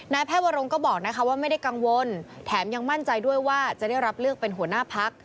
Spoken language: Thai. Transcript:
แพทย์วรงก็บอกนะคะว่าไม่ได้กังวลแถมยังมั่นใจด้วยว่าจะได้รับเลือกเป็นหัวหน้าพัก